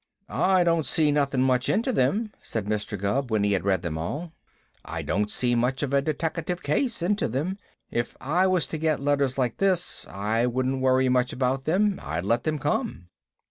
"I don't see nothing much into them," said Mr. Gubb, when he had read them all. "I don't see much of a deteckative case into them. If I was to get letters like these I wouldn't worry much about them. I'd let them come."